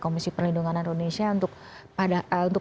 komisi perlindungan indonesia untuk